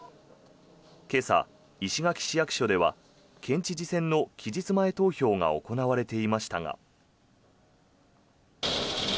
今朝、石垣市役所では県知事選の期日前投票が行われていましたが。